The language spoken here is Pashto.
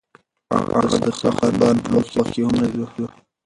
هغه د سختو بارانونو په وخت کې هم نه درېده.